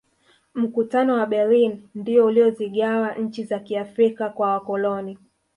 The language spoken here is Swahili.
mkutano wa berlin ndiyo uliyozigawa nchi za kiafrika kwa wakoloni